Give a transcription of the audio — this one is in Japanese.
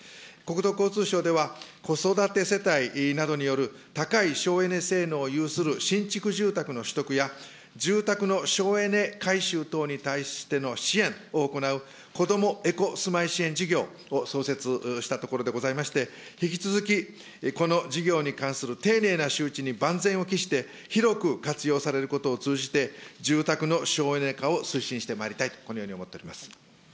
国土交通省では、子育て世帯などによる高い省エネ性能を有する新築住宅の取得や、住宅の省エネ改修等に対しての支援を行うこどもエコすまい支援事業を創設したところでございまして、引き続きこの事業に関する丁寧な周知に万全を期して、広く活用されることを通じて、住宅の省エネ化を推進してまいりたいと、このように思っております。